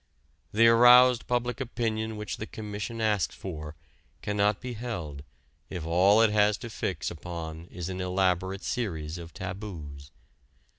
The aroused public opinion which the Commission asks for cannot be held if all it has to fix upon is an elaborate series of taboos.